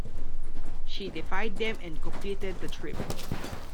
She defied them and completed the trip.